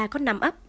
có năm ấp